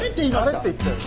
タレって言ったよ。